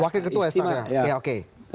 wakil ketua steering komite ya oke